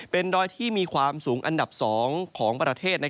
เป็นดอยที่มีความสูงอันดับ๒ของประเทศ